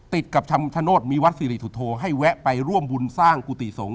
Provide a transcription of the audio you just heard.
ติดกับคำชโนธมีวัดสิริสุโธให้แวะไปร่วมบุญสร้างกุฏิสงฆ